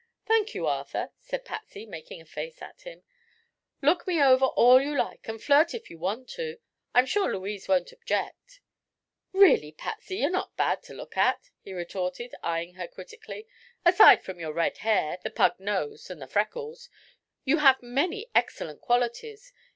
"Thank you, Arthur," said Patsy, making a face at him. "Look me over all you like, and flirt if you want to. I'm sure Louise won't object." "Really, Patsy, you're not bad to look at," he retorted, eyeing her critically. "Aside from your red hair, the pug nose and the freckles, you have many excellent qualities.